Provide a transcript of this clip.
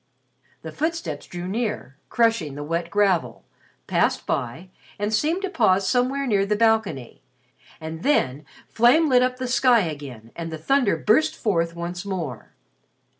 The footsteps drew near, crushing the wet gravel, passed by, and seemed to pause somewhere near the balcony; and them flame lit up the sky again and the thunder burst forth once more.